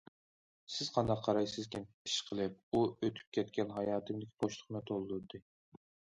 سىز قانداق قارايسىزكىن، ئىشقىلىپ، ئۇ ئۆتۈپ كەتكەن ھاياتىمدىكى بوشلۇقنى تولدۇردى.